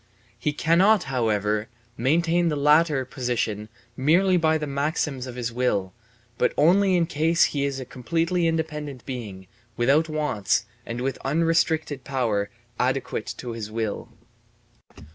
He cannot, however, maintain the latter position merely by the maxims of his will, but only in case he is a completely independent being without wants and with unrestricted power adequate to his will.